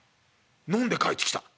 飲んで帰ってきた？